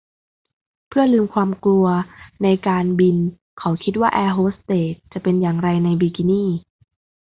เพื่อลืมความกลัวในการบินเขาคิดว่าแอร์โฮสเตสจะเป็นอย่างไรในบิกินี่